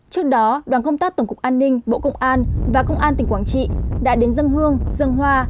trước đó đoàn công tác tổng cục an ninh bộ công an và công an tỉnh quảng trị đã đến dân hương dân hoa